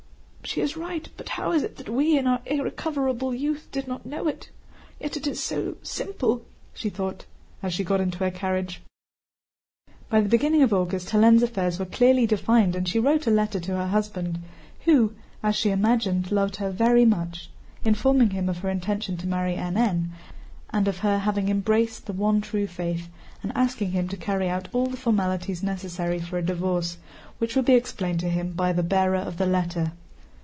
"She is right, but how is it that we in our irrecoverable youth did not know it? Yet it is so simple," she thought as she got into her carriage. By the beginning of August Hélène's affairs were clearly defined and she wrote a letter to her husband—who, as she imagined, loved her very much—informing him of her intention to marry N.N. and of her having embraced the one true faith, and asking him to carry out all the formalities necessary for a divorce, which would be explained to him by the bearer of the letter.